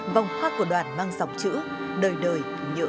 vòng hoa của đoàn mang dòng chữ đời đời nhớ ơn các anh hùng liệt sĩ